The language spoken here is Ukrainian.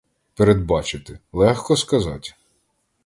Передбачити — легко сказать!